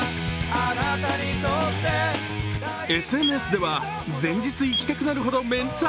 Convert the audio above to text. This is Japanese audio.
ＳＮＳでは全日行きたくなるほどメンツ